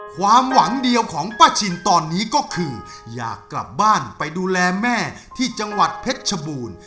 ความหวังเดียวของป้าชินตอนนี้ก็คืออยากกลับบ้านไปดูแลแม่ที่จังหวัดเพชรชบูรณ์